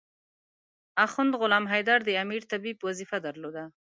اخند غلام حیدر د امیر طبيب وظیفه درلوده.